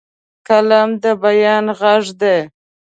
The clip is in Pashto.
قلم د بیان غږ دی